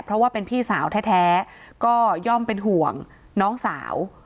เพราะว่าเป็นพี่สาวแท้ก็ย่อมเป็นห่วงน้องสาว